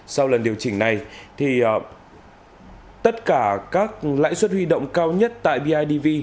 sau lần điều chỉnh này tất cả các lãi suất huy động cao nhất tại bidv